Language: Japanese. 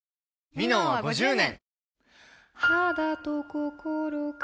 「ミノン」は５０年！